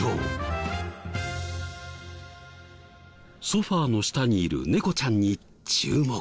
ソファの下にいる猫ちゃんに注目。